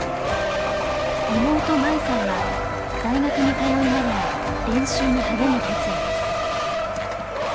妹真衣さんは大学に通いながら練習に励む決意です。